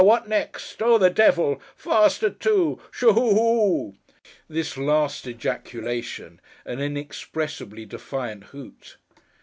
what next! Oh the devil! Faster too! Shoo—hoo—o—o!' (This last ejaculation, an inexpressibly defiant hoot.)